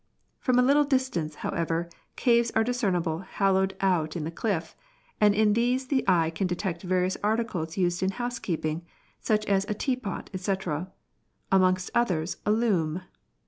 From a little distance, however, caves are discernible hollowed out in the cliff, and in these the eye can detect various articles used in housekeeping, such as a teapot, &c. ; and amongst others a loom.